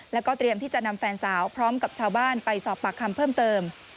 แล้วก็เตรียมที่จะนำแฟนสาวพร้อมกับชาวบ้านไปสอบปากคำเพิ่มเติม